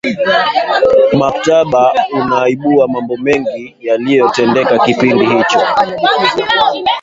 mkataba unaibua mambo mengi yaliyotendeka kipindi hicho